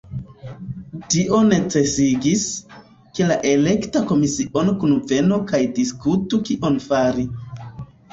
Tio necesigis, ke la elekta komisiono kunvenu kaj diskutu kion fari.